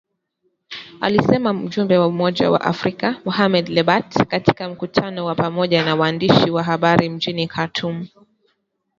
Alisema mjumbe wa Umoja wa Afrika, Mohamed Lebatt katika mkutano wa pamoja na waandishi wa habari mjini Khartoum.